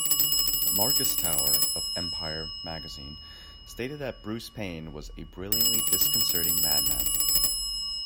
Marcus Trower, of "Empire" magazine, stated that Bruce Payne was "a brilliantly disconcerting madman.